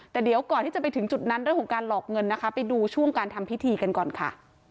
แต่เดี๋ยวก่อนที่จะไปถึงจุดนั้นเรื่องของการหลอกเงินนะคะไปดูช่วงการทำพิธีกันก่อนค่ะ